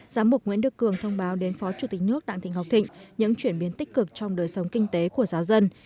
giáo mục nguyễn đức cường thông báo đến phó chủ tịch nước đặng thị ngọc thịnh những chuyển biến tích cực trong đời sống kinh tế của giáo dân